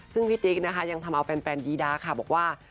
ซึ่งพี่ติ๊กนะคะยังทำเอาแฟนดีดาค่ะบอกว่า